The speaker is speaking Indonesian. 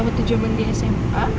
waktu jaman di sma